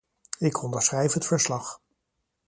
Ik onderschrijf het verslag.